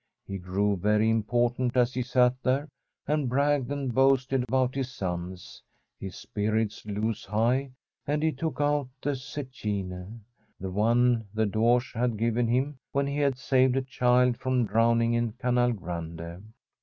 He grew very important as he sat there and bragged and boasted about his sons. His spirits rose high, and he took out the zecchine — ^the one the Doge had given him when he had saved a child from drowning in Canale Grande.